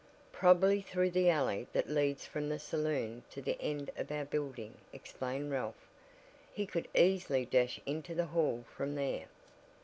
"Probably through the alley that leads from the saloon to the end of our building," explained Ralph. "He could easily dash into the hall from there."